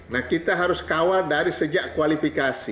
nah kita harus kawal dari sejak kualifikasi